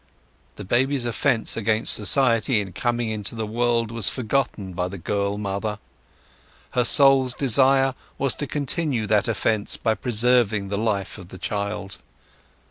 The baby's offence against society in coming into the world was forgotten by the girl mother; her soul's desire was to continue that offence by preserving the life of the child.